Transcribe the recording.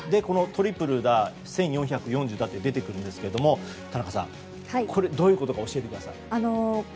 このトリプルが１４４０だと出てくるんですけれども田中さんどういうことか教えてください。